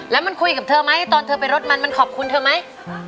แล้วมันคุยกับเธอไหมตอนเธอไปรถมันมันขอบคุณเธอไหม